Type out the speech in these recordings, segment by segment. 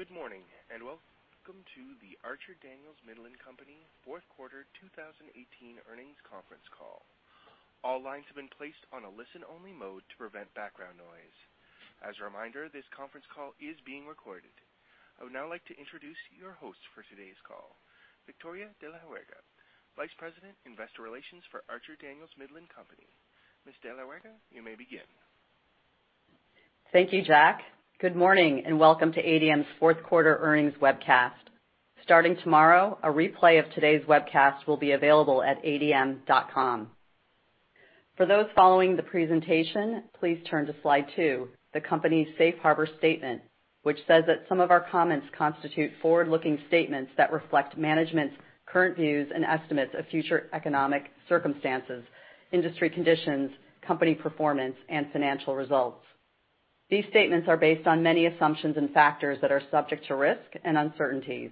Good morning, and welcome to the Archer Daniels Midland Company fourth quarter 2018 earnings conference call. All lines have been placed on a listen-only mode to prevent background noise. As a reminder, this conference call is being recorded. I would now like to introduce your host for today's call, Victoria de la Huerga, Vice President, Investor Relations for Archer Daniels Midland Company. Ms. de la Huerga, you may begin. Thank you, Jack. Good morning, and welcome to ADM's fourth quarter earnings webcast. Starting tomorrow, a replay of today's webcast will be available at adm.com. For those following the presentation, please turn to slide two, the company's safe harbor statement, which says that some of our comments constitute forward-looking statements that reflect management's current views and estimates of future economic circumstances, industry conditions, company performance, and financial results. These statements are based on many assumptions and factors that are subject to risk and uncertainties.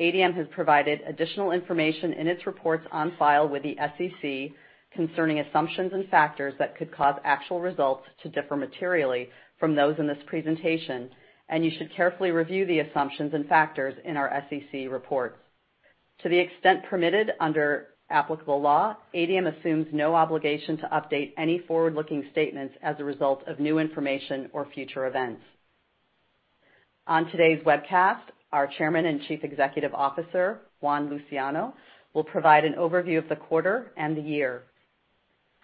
ADM has provided additional information in its reports on file with the SEC concerning assumptions and factors that could cause actual results to differ materially from those in this presentation. You should carefully review the assumptions and factors in our SEC reports. To the extent permitted under applicable law, ADM assumes no obligation to update any forward-looking statements as a result of new information or future events. On today's webcast, our Chairman and Chief Executive Officer, Juan Luciano, will provide an overview of the quarter and the year.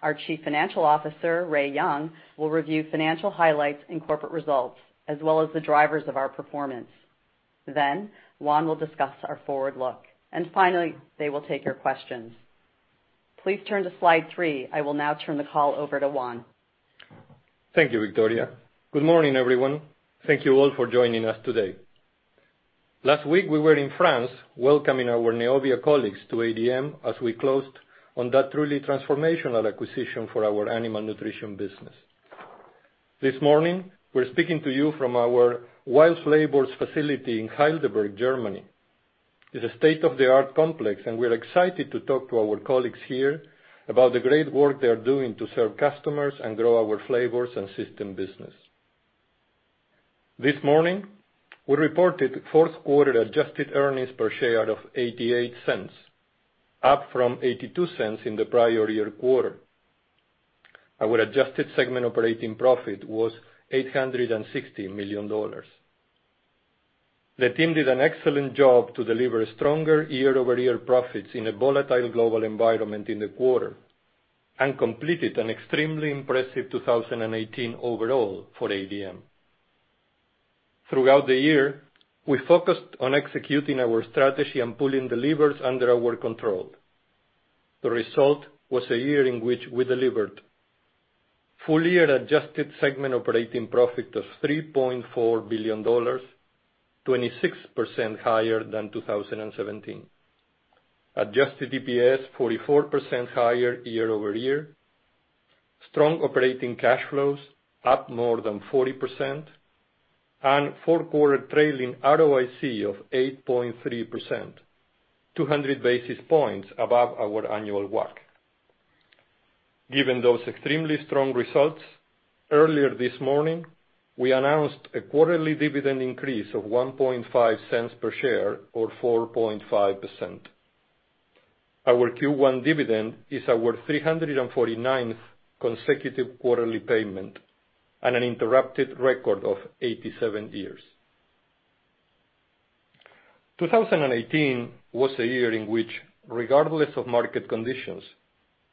Our Chief Financial Officer, Ray Young, will review financial highlights and corporate results, as well as the drivers of our performance. Juan will discuss our forward look. Finally, they will take your questions. Please turn to slide three. I will now turn the call over to Juan. Thank you, Victoria. Good morning, everyone. Thank you all for joining us today. Last week, we were in France welcoming our Neovia colleagues to ADM as we closed on that truly transformational acquisition for our animal nutrition business. This morning, we're speaking to you from our WILD Flavors facility in Heidelberg, Germany. It's a state-of-the-art complex. We're excited to talk to our colleagues here about the great work they are doing to serve customers and grow our flavors and system business. This morning, we reported fourth quarter adjusted EPS of $0.88, up from $0.82 in the prior year-over-year quarter. Our adjusted segment operating profit was $860 million. The team did an excellent job to deliver stronger year-over-year profits in a volatile global environment in the quarter, completed an extremely impressive 2018 overall for ADM. Throughout the year, we focused on executing our strategy and pulling the levers under our control. The result was a year in which we delivered full-year adjusted segment operating profit of $3.4 billion, 26% higher than 2017. Adjusted EPS 44% higher year-over-year. Strong operating cash flows up more than 40%. Fourth quarter trailing ROIC of 8.3%, 200 basis points above our annual work. Given those extremely strong results, earlier this morning, we announced a quarterly dividend increase of $0.015 per share or 4.5%. Our Q1 dividend is our 349th consecutive quarterly payment and an uninterrupted record of 87 years. 2018 was a year in which, regardless of market conditions,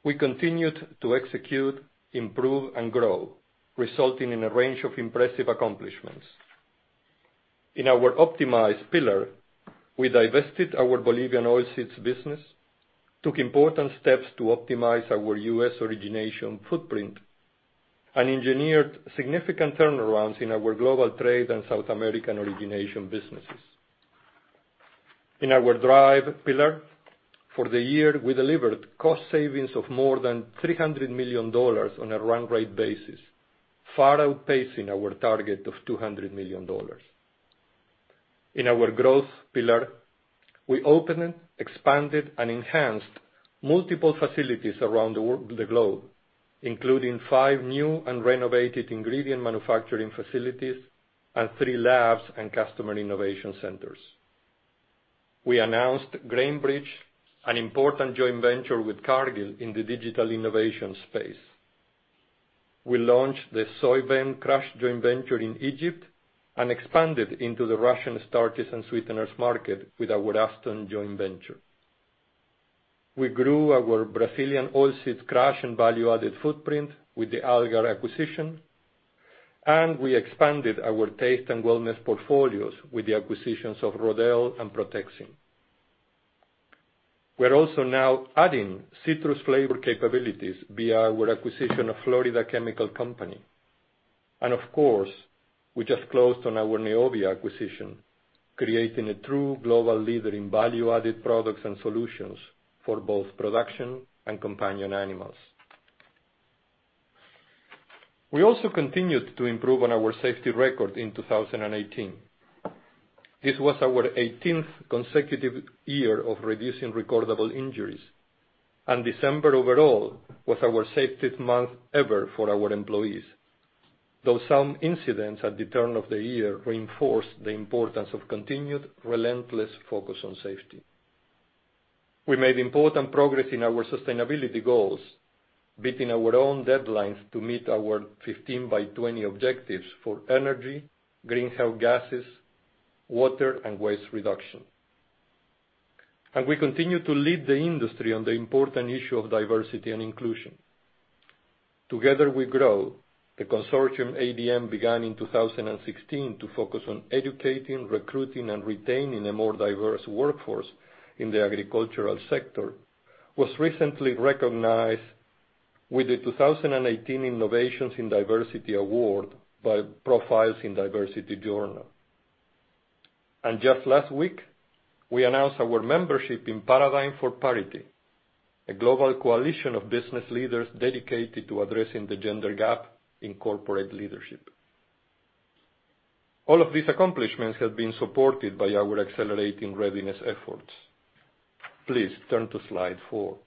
we continued to execute, improve, and grow, resulting in a range of impressive accomplishments. In our optimized pillar, we divested our Bolivian oilseeds business, took important steps to optimize our U.S. origination footprint, and engineered significant turnarounds in our global trade and South American origination businesses. In our drive pillar for the year, we delivered cost savings of more than $300 million on a run rate basis, far outpacing our target of $200 million. In our growth pillar, we opened, expanded, and enhanced multiple facilities around the globe, including five new and renovated ingredient manufacturing facilities and three labs and customer innovation centers. We announced GrainBridge, an important joint venture with Cargill in the digital innovation space. We launched the SoyVen crush joint venture in Egypt and expanded into the Russian starches and sweeteners market with our Aston joint venture. We grew our Brazilian oilseeds crush and value-added footprint with the Algar acquisition. We expanded our taste and wellness portfolios with the acquisitions of Rodelle and Protexin. We're also now adding citrus flavor capabilities via our acquisition of Florida Chemical Company. Of course, we just closed on our Neovia acquisition, creating a true global leader in value-added products and solutions for both production and companion animals. We also continued to improve on our safety record in 2018. This was our 18th consecutive year of reducing recordable injuries. December overall was our safest month ever for our employees. Though some incidents at the turn of the year reinforced the importance of continued relentless focus on safety. We made important progress in our sustainability goals, beating our own deadlines to meet our 2015 by 2020 objectives for energy, greenhouse gases, water, and waste reduction. We continue to lead the industry on the important issue of diversity and inclusion. Together We Grow, the consortium ADM began in 2016 to focus on educating, recruiting, and retaining a more diverse workforce in the agricultural sector, was recently recognized with the 2018 Innovations in Diversity Award by Profiles in Diversity Journal. Just last week, we announced our membership in Paradigm for Parity, a global coalition of business leaders dedicated to addressing the gender gap in corporate leadership. All of these accomplishments have been supported by our accelerating readiness efforts. Please turn to slide four.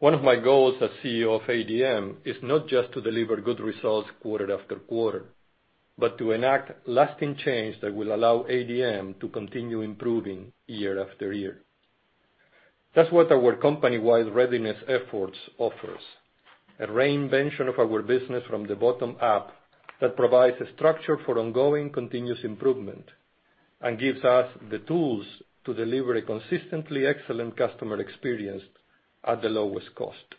One of my goals as CEO of ADM is not just to deliver good results quarter after quarter, but to enact lasting change that will allow ADM to continue improving year after year. That's what our company-wide readiness efforts offers, a reinvention of our business from the bottom up that provides a structure for ongoing continuous improvement and gives us the tools to deliver a consistently excellent customer experience at the lowest cost.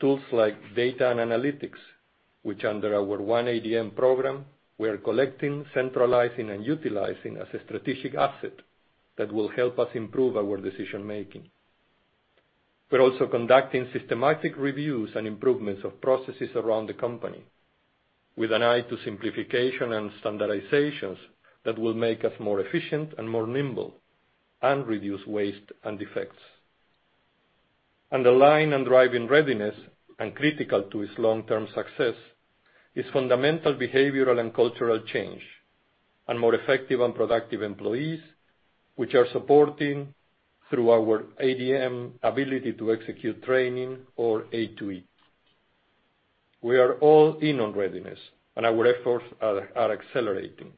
Tools like data and analytics, which under our One ADM Program, we are collecting, centralizing, and utilizing as a strategic asset that will help us improve our decision making. We're also conducting systematic reviews and improvements of processes around the company with an eye to simplification and standardizations that will make us more efficient and more nimble and reduce waste and defects. Aligned and driving readiness, and critical to its long-term success, is fundamental behavioral and cultural change and more effective and productive employees, which are supporting through our ADM Ability to Execute training or A2E. We are all in on readiness, and our efforts are accelerating.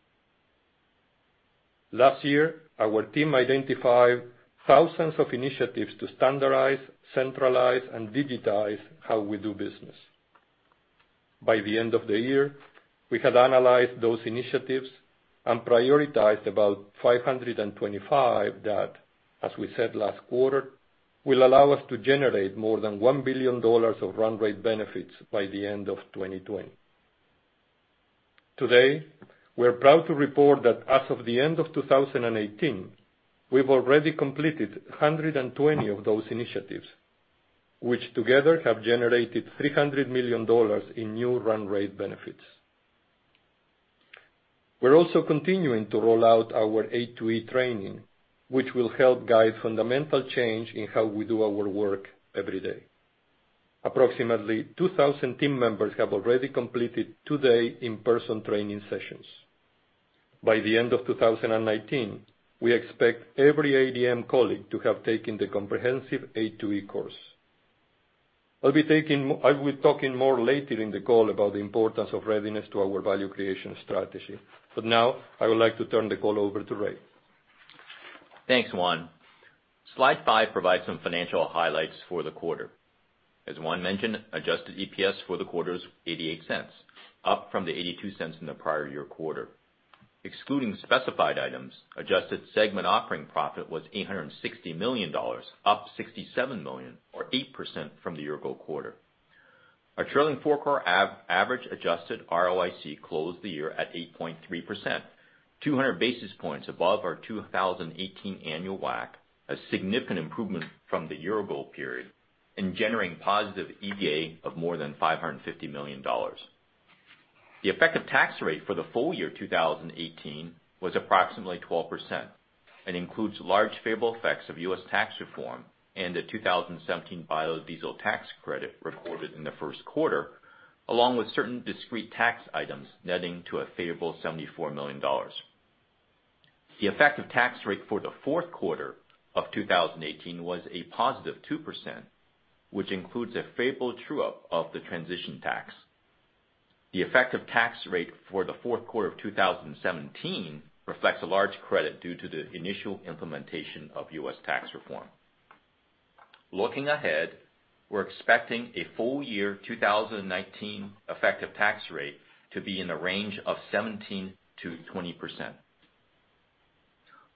Last year, our team identified thousands of initiatives to standardize, centralize, and digitize how we do business. By the end of the year, we had analyzed those initiatives and prioritized about 525 that, as we said last quarter, will allow us to generate more than $1 billion of run rate benefits by the end of 2020. Today, we're proud to report that as of the end of 2018, we've already completed 120 of those initiatives, which together have generated $300 million in new run rate benefits. We're also continuing to roll out our A2E training, which will help guide fundamental change in how we do our work every day. Approximately 2,000 team members have already completed two-day in-person training sessions. By the end of 2019, we expect every ADM colleague to have taken the comprehensive A2E course. I will be talking more later in the call about the importance of readiness to our value creation strategy. Now I would like to turn the call over to Ray. Thanks, Juan. Slide five provides some financial highlights for the quarter. As Juan mentioned, adjusted EPS for the quarter is $0.88, up from the $0.82 in the prior year quarter. Excluding specified items, adjusted segment operating profit was $860 million, up $67 million or 8% from the year ago quarter. Our trailing four-quarter average adjusted ROIC closed the year at 8.3%, 200 basis points above our 2018 annual WACC, a significant improvement from the year ago period, and generating positive EVA of more than $550 million. The effective tax rate for the full year 2018 was approximately 12% and includes large favorable effects of U.S. tax reform and the 2017 biodiesel tax credit recorded in the first quarter, along with certain discrete tax items netting to a favorable $74 million. The effective tax rate for the fourth quarter of 2018 was a positive 2%, which includes a favorable true-up of the transition tax. The effective tax rate for the fourth quarter of 2017 reflects a large credit due to the initial implementation of U.S. tax reform. Looking ahead, we're expecting a full year 2019 effective tax rate to be in the range of 17%-20%.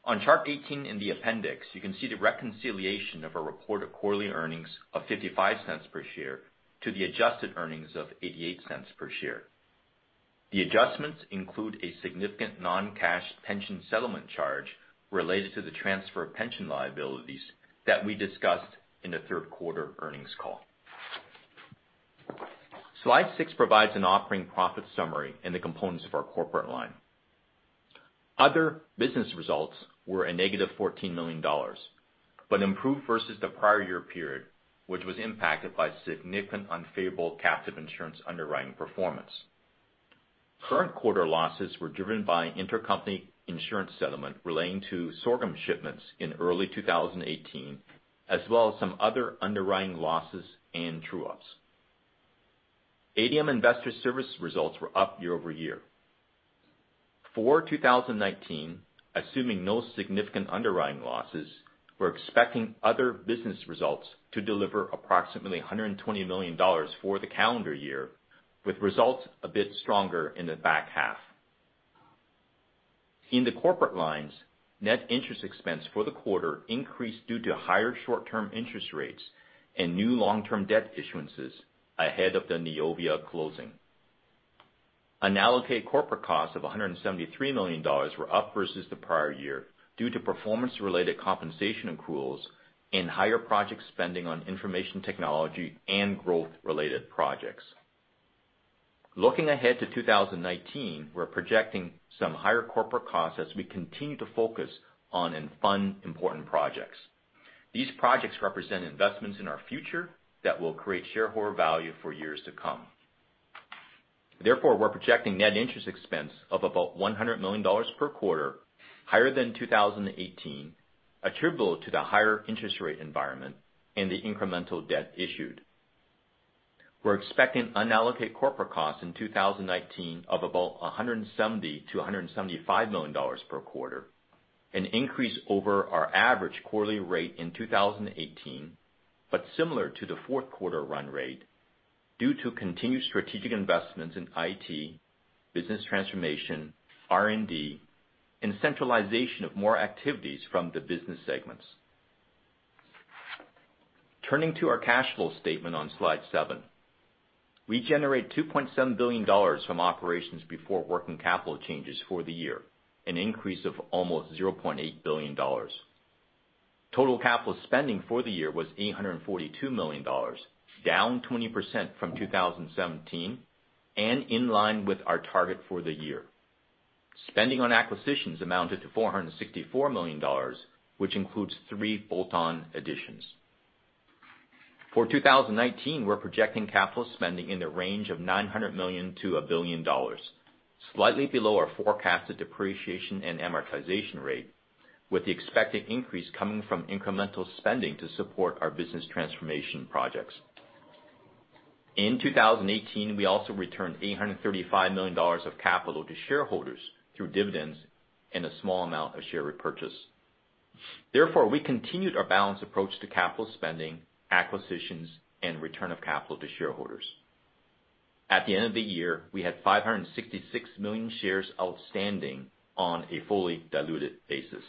On chart 18 in the appendix, you can see the reconciliation of our reported quarterly earnings of $0.55 per share to the adjusted earnings of $0.88 per share. The adjustments include a significant non-cash pension settlement charge related to the transfer of pension liabilities that we discussed in the third quarter earnings call. Slide six provides an operating profit summary and the components of our corporate line. Other business results were a negative $14 million, improved versus the prior year period, which was impacted by significant unfavorable captive insurance underwriting performance. Current quarter losses were driven by intercompany insurance settlement relating to sorghum shipments in early 2018, as well as some other underwriting losses and true-ups. ADM Investor Services results were up year-over-year. For 2019, assuming no significant underwriting losses, we're expecting other business results to deliver approximately $120 million for the calendar year, with results a bit stronger in the back half. In the corporate lines, net interest expense for the quarter increased due to higher short-term interest rates and new long-term debt issuances ahead of the Neovia closing. Unallocated corporate costs of $173 million were up versus the prior year, due to performance-related compensation accruals and higher project spending on information technology and growth-related projects. Looking ahead to 2019, we're projecting some higher corporate costs as we continue to focus on and fund important projects. These projects represent investments in our future that will create shareholder value for years to come. Therefore, we're projecting net interest expense of about $100 million per quarter, higher than 2018, attributable to the higher interest rate environment and the incremental debt issued. We're expecting unallocated corporate costs in 2019 of about $170 million-$175 million per quarter, an increase over our average quarterly rate in 2018, but similar to the fourth quarter run rate due to continued strategic investments in IT, business transformation, R&D, and centralization of more activities from the business segments. Turning to our cash flow statement on slide seven. We generate $2.7 billion from operations before working capital changes for the year, an increase of almost $0.8 billion. Total capital spending for the year was $842 million, down 20% from 2017 and in line with our target for the year. Spending on acquisitions amounted to $464 million, which includes three bolt-on additions. For 2019, we're projecting capital spending in the range of $900 million-$1 billion, slightly below our forecasted depreciation and amortization rate, with the expected increase coming from incremental spending to support our business transformation projects. In 2018, we also returned $835 million of capital to shareholders through dividends and a small amount of share repurchase. Therefore, we continued our balanced approach to capital spending, acquisitions, and return of capital to shareholders. At the end of the year, we had 566 million shares outstanding on a fully diluted basis.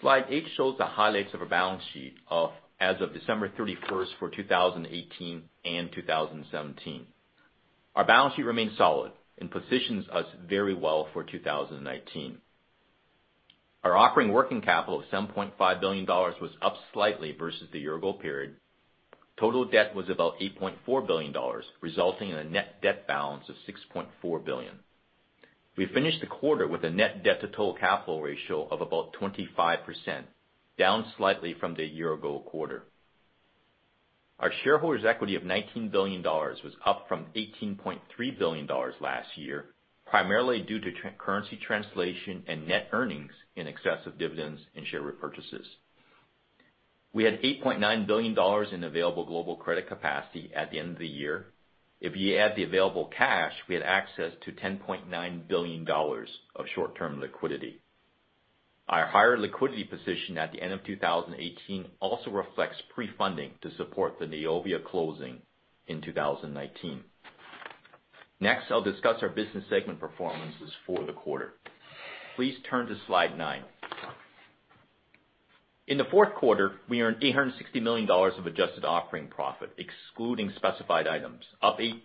Slide eight shows the highlights of our balance sheet as of December 31st for 2018 and 2017. Our balance sheet remains solid and positions us very well for 2019. Our operating working capital of $7.5 billion was up slightly versus the year-ago period. Total debt was about $8.4 billion, resulting in a net debt balance of $6.4 billion. We finished the quarter with a net debt to total capital ratio of about 25%, down slightly from the year-ago quarter. Our shareholders' equity of $19 billion was up from $18.3 billion last year, primarily due to currency translation and net earnings in excess of dividends and share repurchases. We had $8.9 billion in available global credit capacity at the end of the year. If you add the available cash, we had access to $10.9 billion of short-term liquidity. Our higher liquidity position at the end of 2018 also reflects pre-funding to support the Neovia closing in 2019. Next, I'll discuss our business segment performances for the quarter. Please turn to slide nine. In the fourth quarter, we earned $860 million of adjusted operating profit, excluding specified items, up 8%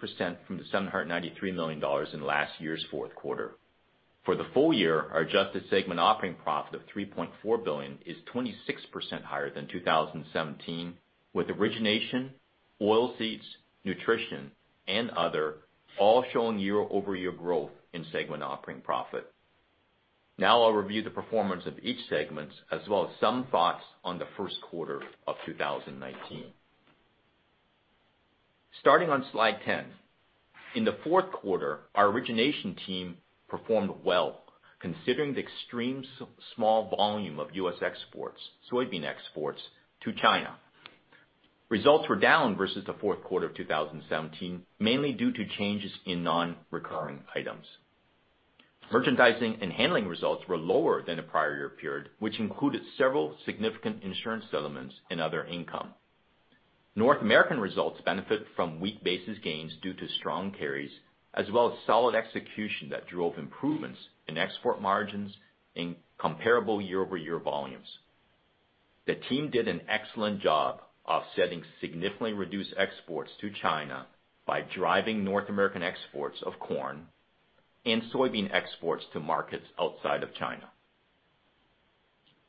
from the $793 million in last year's fourth quarter. For the full year, our adjusted segment operating profit of $3.4 billion is 26% higher than 2017, with origination, oilseeds, nutrition, and other all showing year-over-year growth in segment operating profit. Now I'll review the performance of each segment, as well as some thoughts on the first quarter of 2019. Starting on slide 10. In the fourth quarter, our origination team performed well, considering the extreme small volume of U.S. exports, soybean exports to China. Results were down versus the fourth quarter of 2017, mainly due to changes in non-recurring items. Merchandising and handling results were lower than the prior year period, which included several significant insurance settlements and other income. North American results benefit from weak basis gains due to strong carries, as well as solid execution that drove improvements in export margins in comparable year-over-year volumes. The team did an excellent job offsetting significantly reduced exports to China by driving North American exports of corn and soybean exports to markets outside of China.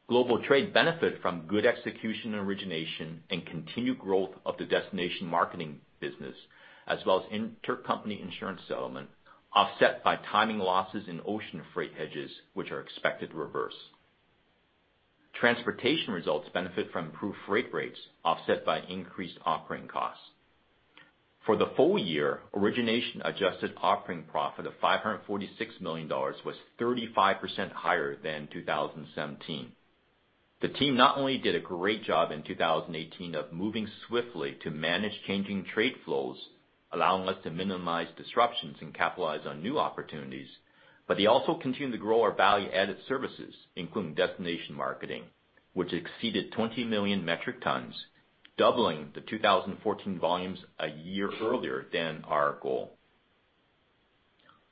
Global trade benefit from good execution and origination and continued growth of the destination marketing business, as well as intercompany insurance settlement, offset by timing losses in ocean freight hedges, which are expected to reverse. Transportation results benefit from improved freight rates, offset by increased operating costs. For the full year, origination adjusted operating profit of $546 million was 35% higher than 2017. The team not only did a great job in 2018 of moving swiftly to manage changing trade flows, allowing us to minimize disruptions and capitalize on new opportunities, but they also continued to grow our value-added services, including destination marketing, which exceeded 20 million metric tons, doubling the 2014 volumes a year earlier than our goal.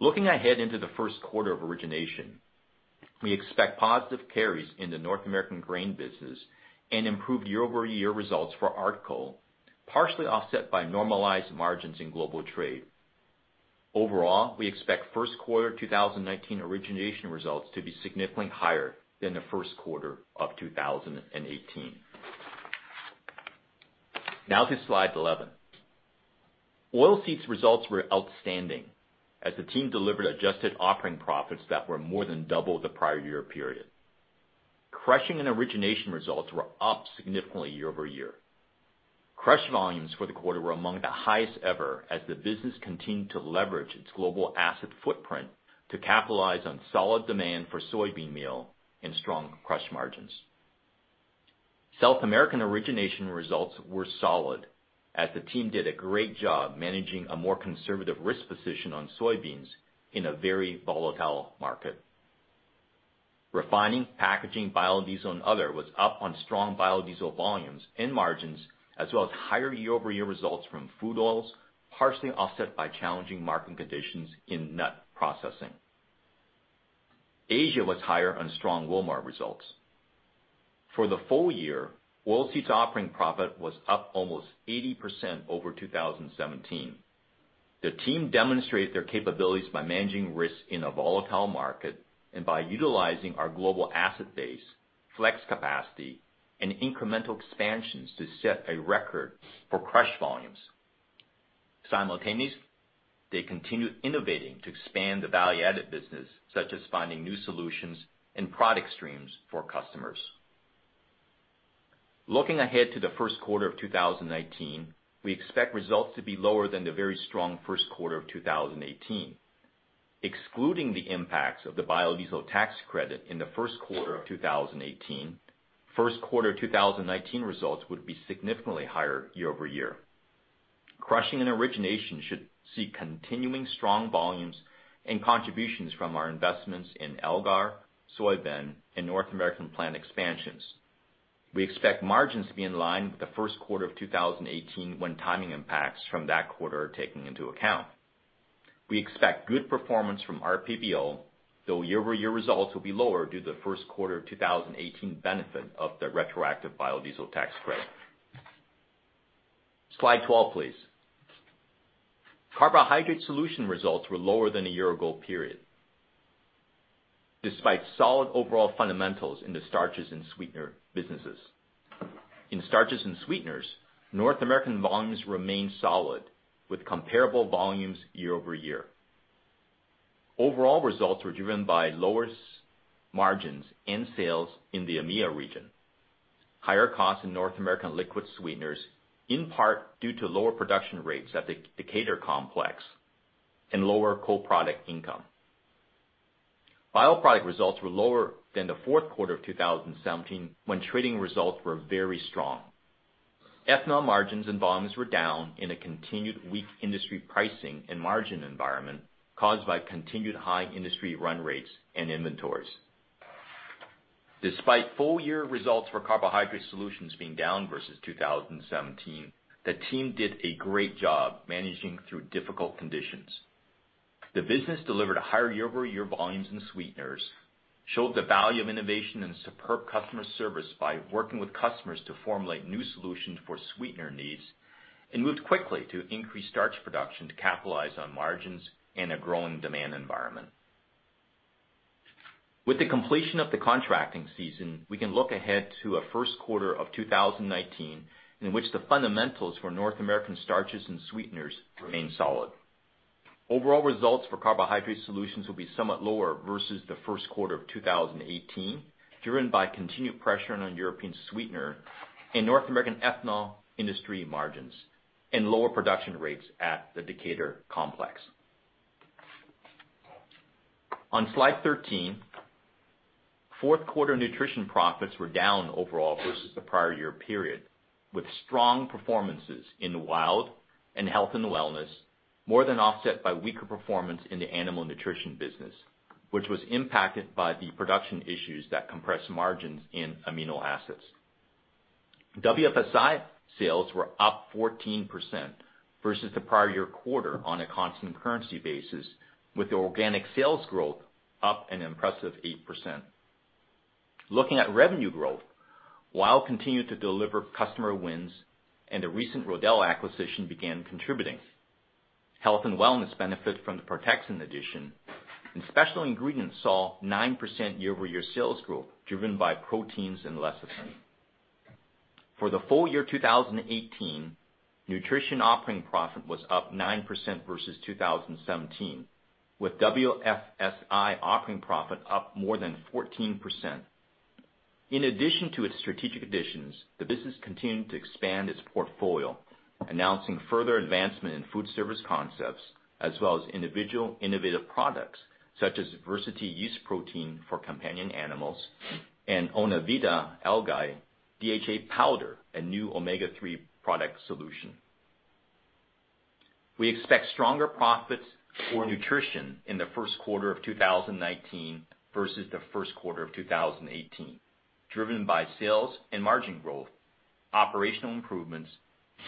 Looking ahead into the first quarter of origination, we expect positive carries in the North American grain business and improved year-over-year results for ARTCO, partially offset by normalized margins in global trade. Overall, we expect first quarter 2019 origination results to be significantly higher than the first quarter of 2018. Now to slide 11. Oilseeds results were outstanding, as the team delivered adjusted operating profits that were more than double the prior year period. Crush volumes for the quarter were among the highest ever, as the business continued to leverage its global asset footprint to capitalize on solid demand for soybean meal and strong crush margins. South American origination results were solid, as the team did a great job managing a more conservative risk position on soybeans in a very volatile market. Refining, packaging, biodiesel, and other was up on strong biodiesel volumes and margins, as well as higher year-over-year results from food oils, partially offset by challenging market conditions in nut processing. Asia was higher on strong Walmart results. For the full year, Oilseeds operating profit was up almost 80% over 2017. The team demonstrated their capabilities by managing risks in a volatile market and by utilizing our global asset base, flex capacity, and incremental expansions to set a record for crush volumes. Simultaneously, they continued innovating to expand the value-added business, such as finding new solutions and product streams for customers. Looking ahead to the first quarter of 2019, we expect results to be lower than the very strong first quarter of 2018. Excluding the impacts of the biodiesel tax credit in the first quarter of 2018, first quarter 2019 results would be significantly higher year-over-year. Crushing and origination should see continuing strong volumes and contributions from our investments in Algar Agro, Soybean, and North American plant expansions. We expect margins to be in line with the first quarter of 2018 when timing impacts from that quarter are taken into account. We expect good performance from RPBO, though year-over-year results will be lower due to the first quarter 2018 benefit of the retroactive biodiesel tax credit. Slide 12, please. Carbohydrate Solutions results were lower than a year ago period, despite solid overall fundamentals in the starches and sweetener businesses. In starches and sweeteners, North American volumes remained solid with comparable volumes year-over-year. Overall results were driven by lower margins and sales in the EMEIA region, higher costs in North American liquid sweeteners, in part due to lower production rates at the Decatur complex, and lower co-product income. Bioproduct results were lower than the fourth quarter of 2017, when trading results were very strong. Ethanol margins and volumes were down in a continued weak industry pricing and margin environment caused by continued high industry run rates and inventories. Despite full-year results for Carbohydrate Solutions being down versus 2017, the team did a great job managing through difficult conditions. The business delivered higher year-over-year volumes in sweeteners, showed the value of innovation and superb customer service by working with customers to formulate new solutions for sweetener needs, and moved quickly to increase starch production to capitalize on margins in a growing demand environment. With the completion of the contracting season, we can look ahead to a first quarter of 2019 in which the fundamentals for North American starches and sweeteners remain solid. Overall results for Carbohydrate Solutions will be somewhat lower versus the first quarter of 2018, driven by continued pressure on European sweetener and North American ethanol industry margins and lower production rates at the Decatur complex. On slide 13, fourth quarter nutrition profits were down overall versus the prior year period, with strong performances in WILD and Animal Nutrition more than offset by weaker performance in the Animal Nutrition business, which was impacted by the production issues that compressed margins in amino acids. WFSI sales were up 14% versus the prior year quarter on a constant currency basis, with organic sales growth up an impressive 8%. Looking at revenue growth, WILD continued to deliver customer wins, and the recent Rodelle acquisition began contributing. Health and wellness benefit from the Protexin addition, and special ingredients saw 9% year-over-year sales growth. For the full year 2018, nutrition operating profit was up 9% versus 2017, with WFSI operating profit up more than 14%. In addition to its strategic additions, the business continued to expand its portfolio, announcing further advancement in food service concepts as well as individual innovative products such as Versity for companion animals and Onavita algae DHA powder, a new omega-3 product solution. We expect stronger profits for nutrition in the first quarter of 2019 versus the first quarter of 2018, driven by sales and margin growth, operational improvements,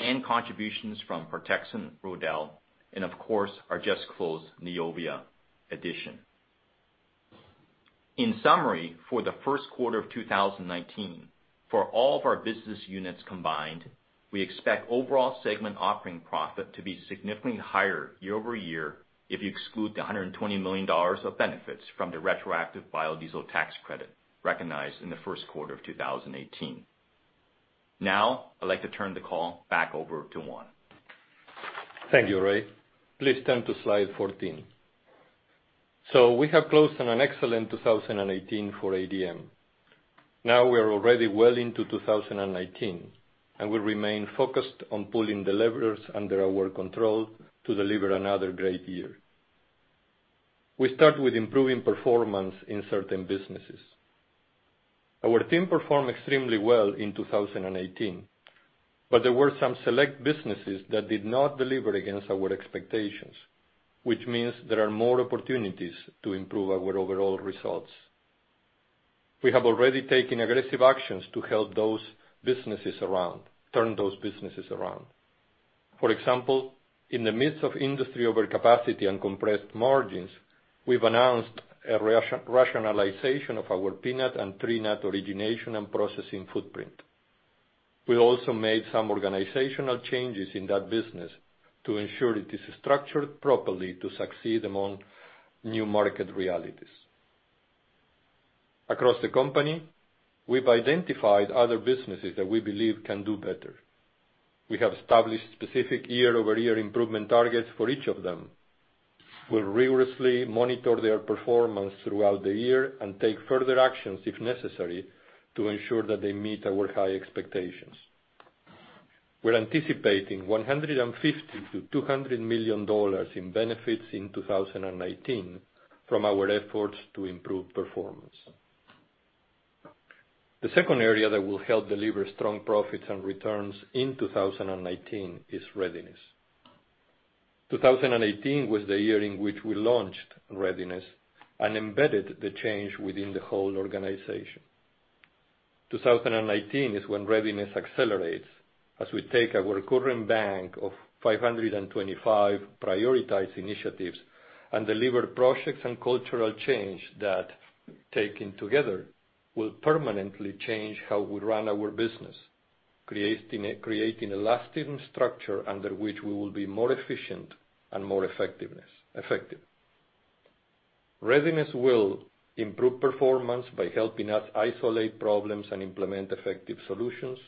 and contributions from Protexin, Rodelle, and of course, our just closed Neovia addition. In summary, for the first quarter of 2019, for all of our business units combined, we expect overall segment operating profit to be significantly higher year-over-year if you exclude the $120 million of benefits from the retroactive biodiesel tax credit recognized in the first quarter of 2018. I'd like to turn the call back over to Juan. Thank you, Ray. Please turn to slide 14. We have closed on an excellent 2018 for ADM. We are already well into 2019, and we remain focused on pulling the levers under our control to deliver another great year. We start with improving performance in certain businesses. Our team performed extremely well in 2018, but there were some select businesses that did not deliver against our expectations, which means there are more opportunities to improve our overall results. We have already taken aggressive actions to help turn those businesses around. For example, in the midst of industry overcapacity and compressed margins, we've announced a rationalization of our peanut and tree nut origination and processing footprint. We also made some organizational changes in that business to ensure it is structured properly to succeed among new market realities. Across the company, we've identified other businesses that we believe can do better. We have established specific year-over-year improvement targets for each of them. We'll rigorously monitor their performance throughout the year and take further actions, if necessary, to ensure that they meet our high expectations. We're anticipating $150 million-$200 million in benefits in 2019 from our efforts to improve performance. The second area that will help deliver strong profits and returns in 2019 is Readiness. 2018 was the year in which we launched Readiness and embedded the change within the whole organization. 2019 is when Readiness accelerates, as we take our current bank of 525 prioritized initiatives and deliver projects and cultural change that, taken together, will permanently change how we run our business, creating a lasting structure under which we will be more efficient and more effective. Readiness will improve performance by helping us isolate problems and implement effective solutions,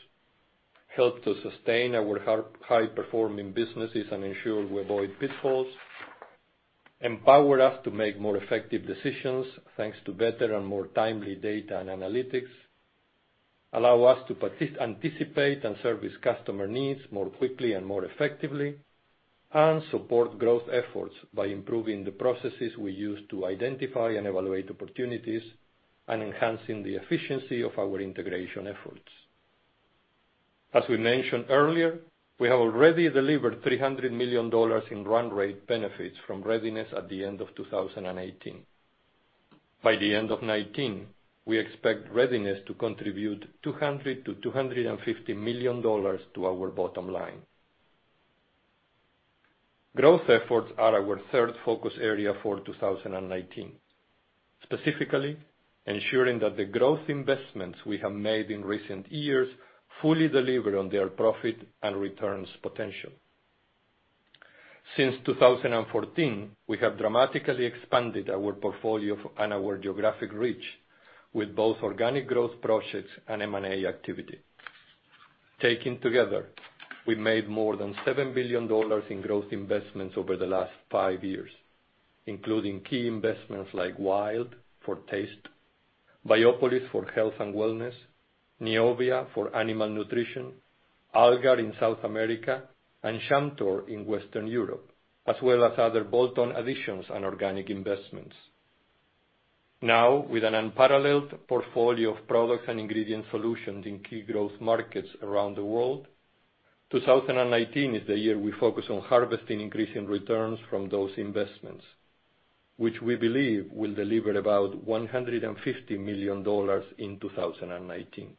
help to sustain our high-performing businesses and ensure we avoid pitfalls, empower us to make more effective decisions, thanks to better and more timely data and analytics, allow us to anticipate and service customer needs more quickly and more effectively, and support growth efforts by improving the processes we use to identify and evaluate opportunities and enhancing the efficiency of our integration efforts. As we mentioned earlier, we have already delivered $300 million in run rate benefits from Readiness at the end of 2018. By the end of 2019, we expect Readiness to contribute $200 million-$250 million to our bottom line. Growth efforts are our third focus area for 2019. Specifically, ensuring that the growth investments we have made in recent years fully deliver on their profit and returns potential. Since 2014, we have dramatically expanded our portfolio and our geographic reach with both organic growth projects and M&A activity. Taken together, we made more than $7 billion in growth investments over the last five years, including key investments like WILD Flavors, Biopolis for health and wellness, Neovia for animal nutrition, Algar in South America and Chamtor in Western Europe, as well as other bolt-on additions and organic investments. Now, with an unparalleled portfolio of products and ingredient solutions in key growth markets around the world, 2019 is the year we focus on harvesting increasing returns from those investments, which we believe will deliver about $150 million in 2019.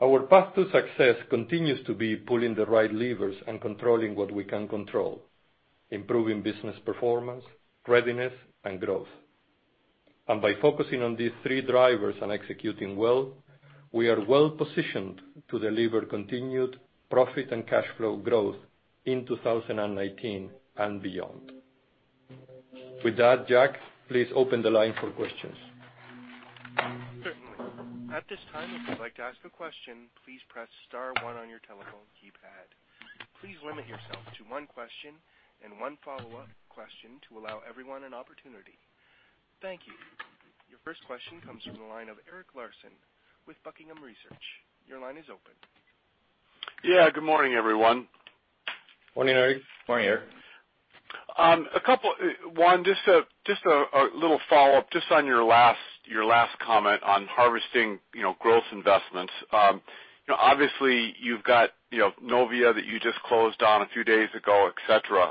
Our path to success continues to be pulling the right levers and controlling what we can control, improving business performance, Readiness, and growth. By focusing on these three drivers and executing well, we are well-positioned to deliver continued profit and cash flow growth in 2019 and beyond. With that, Jack, please open the line for questions. Certainly. At this time, if you'd like to ask a question, please press star one on your telephone keypad. Please limit yourself to one question and one follow-up question to allow everyone an opportunity. Thank you. Your first question comes from the line of Eric Larson with Buckingham Research. Your line is open. Yeah. Good morning, everyone. Morning, Eric. Morning, Eric. Juan, just a little follow-up just on your last comment on harvesting growth investments. Obviously, you've got Neovia that you just closed on a few days ago, et cetera.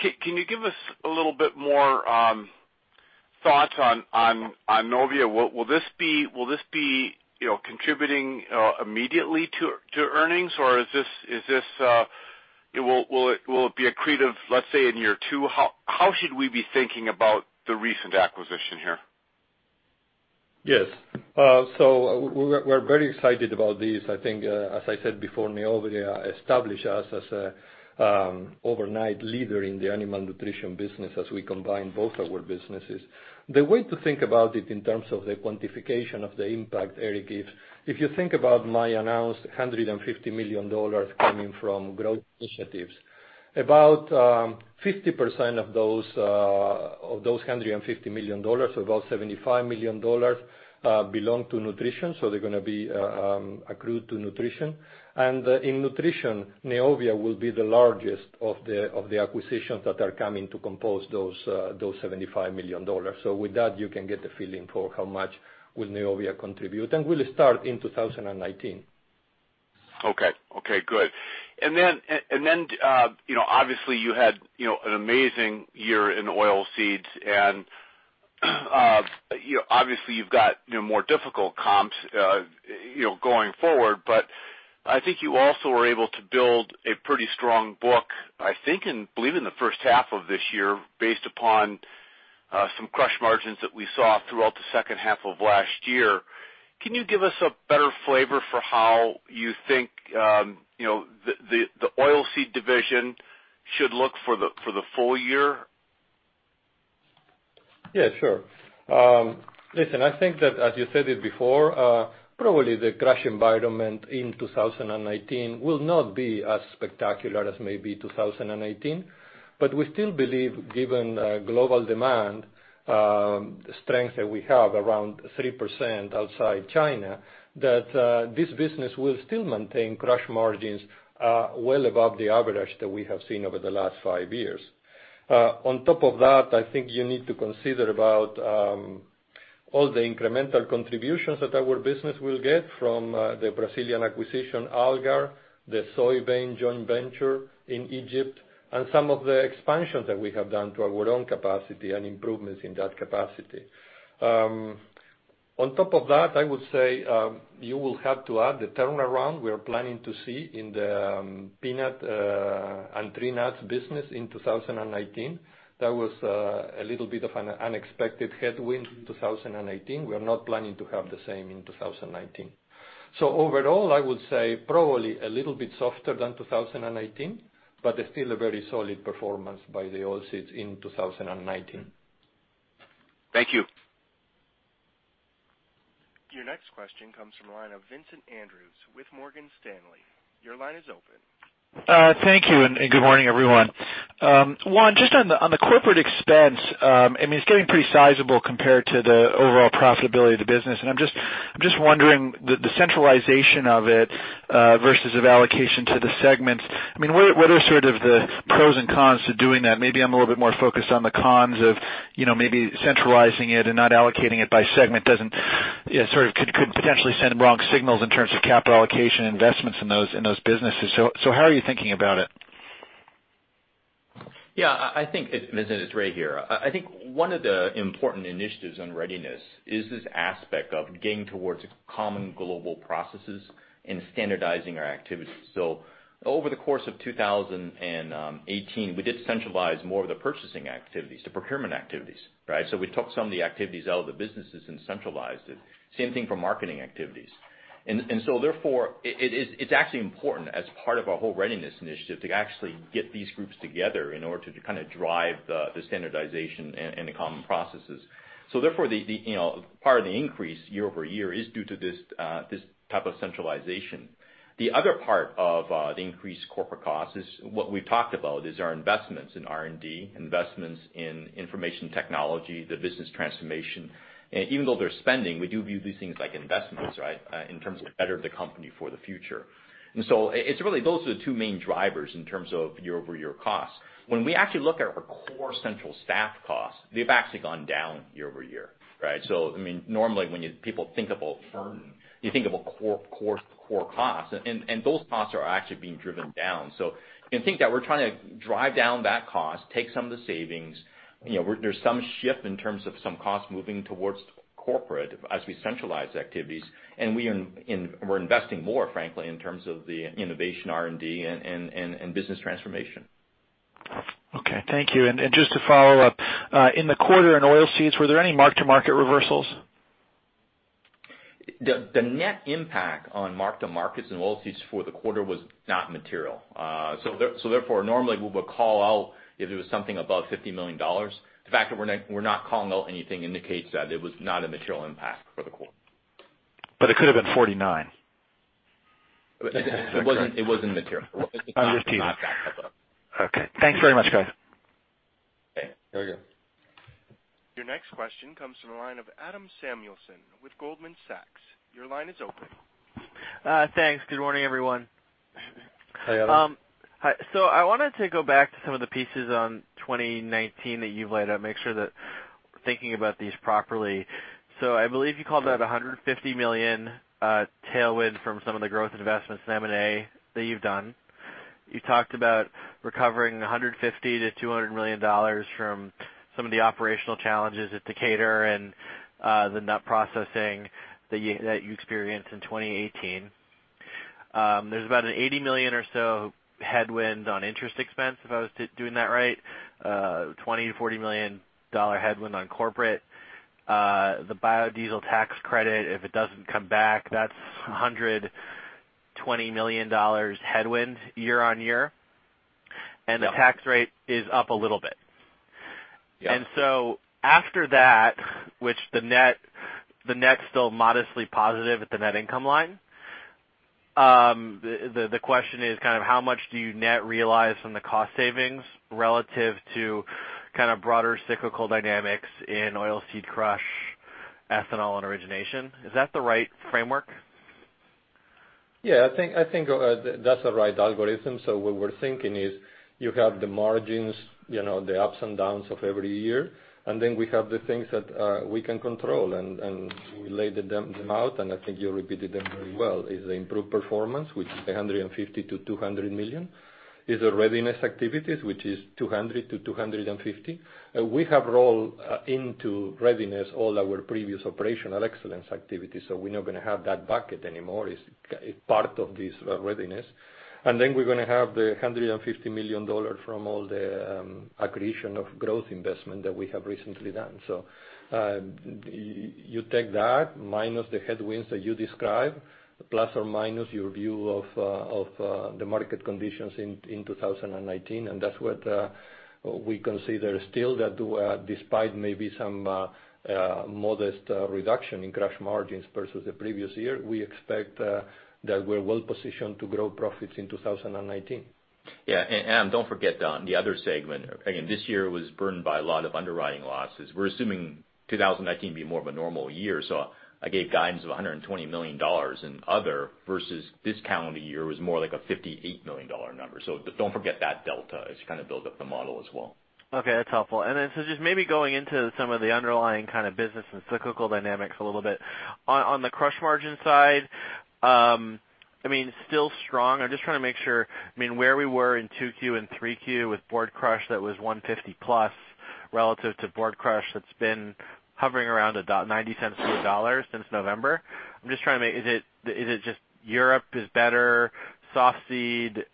Can you give us a little bit more thoughts on Neovia? Will this be contributing immediately to earnings or will it be accretive, let's say, in year two? How should we be thinking about the recent acquisition here? We're very excited about this. I think, as I said before, Neovia established us as an overnight leader in the animal nutrition business as we combine both our businesses. The way to think about it in terms of the quantification of the impact, Eric, is if you think about my announced $150 million coming from growth initiatives, about 50% of those $150 million, so about $75 million, belong to nutrition. They're going to be accrued to nutrition. In nutrition, Neovia will be the largest of the acquisitions that are coming to compose those $75 million. With that, you can get a feeling for how much will Neovia contribute. We'll start in 2019. Okay. Okay, good. Obviously you had an amazing year in Oilseeds, obviously you've got more difficult comps going forward. I think you also were able to build a pretty strong book, I think, I believe, in the first half of this year based upon some crush margins that we saw throughout the second half of last year. Can you give us a better flavor for how you think the Oilseeds division should look for the full year? Yeah, sure. Listen, I think that as you said it before, probably the crush environment in 2019 will not be as spectacular as maybe 2018. We still believe given global demand strength that we have around 3% outside China, that this business will still maintain crush margins well above the average that we have seen over the last five years. On top of that, I think you need to consider about all the incremental contributions that our business will get from the Brazilian acquisition, Algar, the soybean joint venture in Egypt, and some of the expansions that we have done to our own capacity and improvements in that capacity. On top of that, I would say, you will have to add the turnaround we're planning to see in the peanut and tree nuts business in 2019. That was a little bit of an unexpected headwind in 2018. We're not planning to have the same in 2019. Overall, I would say probably a little bit softer than 2018, still a very solid performance by the Oilseeds in 2019. Thank you. Your next question comes from the line of Vincent Andrews with Morgan Stanley. Your line is open. Thank you. Good morning, everyone. Juan, just on the corporate expense, it's getting pretty sizable compared to the overall profitability of the business, I'm just wondering the centralization of it versus of allocation to the segments. What are sort of the pros and cons to doing that? Maybe I'm a little bit more focused on the cons of maybe centralizing it and not allocating it by segment could potentially send wrong signals in terms of capital allocation investments in those businesses. How are you thinking about it? Vincent, it's Ray here. I think one of the important initiatives on readiness is this aspect of getting towards common global processes and standardizing our activities. Over the course of 2018, we did centralize more of the purchasing activities, the procurement activities, right? We took some of the activities out of the businesses and centralized it. Same thing for marketing activities. Therefore, it's actually important as part of our whole readiness initiative to actually get these groups together in order to drive the standardization and the common processes. Therefore, part of the increase year-over-year is due to this type of centralization. The other part of the increased corporate cost is what we've talked about, is our investments in R&D, investments in information technology, the business transformation. Even though they're spending, we do view these things like investments, right? In terms of better the company for the future. Those are the two main drivers in terms of year-over-year costs. When we actually look at our core central staff costs, they've actually gone down year-over-year. Right? Normally when people think of a firm, you think about core costs, and those costs are actually being driven down. You can think that we're trying to drive down that cost, take some of the savings. There's some shift in terms of some costs moving towards corporate as we centralize activities. We're investing more, frankly, in terms of the innovation R&D and business transformation. Okay. Thank you. Just to follow up, in the quarter in oilseeds, were there any mark-to-market reversals? The net impact on mark-to-markets and oilseeds for the quarter was not material. Normally we would call out if it was something above $50 million. The fact that we're not calling out anything indicates that it was not a material impact for the quarter. It could've been 49. It wasn't material. I'm just teasing. It did not back that up. Okay. Thanks very much, guys. Okay. Very good. Your next question comes from the line of Adam Samuelson with Goldman Sachs. Your line is open. Thanks. Good morning, everyone. Hey, Adam. Hi. I wanted to go back to some of the pieces on 2019 that you've laid out, make sure that we're thinking about these properly. I believe you called out $150 million tailwind from some of the growth investments in M&A that you've done. You talked about recovering $150 million-$200 million from some of the operational challenges at Decatur and the nut processing that you experienced in 2018. There's about an $80 million or so headwind on interest expense, if I was doing that right. $20 million-$40 million headwind on corporate. The biodiesel tax credit, if it doesn't come back, that's $120 million headwind year-on-year. Yeah. The tax rate is up a little bit. Yeah. After that, which the net's still modestly positive at the net income line. The question is, how much do you net realize from the cost savings relative to broader cyclical dynamics in oilseed crush, ethanol, and origination? Is that the right framework? Yeah, I think that's the right algorithm. What we're thinking is you have the margins, the ups and downs of every year, then we have the things that we can control, and we laid them out, and I think you repeated them very well, is the improved performance, which is $150 million-$200 million. Is the Readiness activities, which is $200 million-$250 million. We have rolled into Readiness all our previous operational excellence activities, so we're not going to have that bucket anymore. It's part of this Readiness. Then we're going to have the $150 million from all the accretion of growth investment that we have recently done. You take that minus the headwinds that you described, plus or minus your view of the market conditions in 2019, and that's what we consider still that despite maybe some modest reduction in crush margins versus the previous year, we expect that we're well positioned to grow profits in 2019. Adam, don't forget, the other segment, again, this year was burned by a lot of underwriting losses. We're assuming 2019 will be more of a normal year. I gave guidance of $120 million in other, versus this calendar year was more like a $58 million number. Don't forget that delta as you build up the model as well. That's helpful. Just maybe going into some of the underlying kind of business and cyclical dynamics a little bit. On the crush margin side, still strong? I'm just trying to make sure where we were in 2Q and 3Q with board crush, that was 150+ relative to board crush that's been hovering around about $0.90 to $1.00 since November. I'm just trying to make Is it just Europe is better, soft seed,